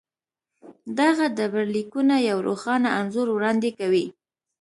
دغه ډبرلیکونه یو روښانه انځور وړاندې کوي.